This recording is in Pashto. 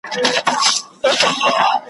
په دوستي په یارانه به هلته اوسو ,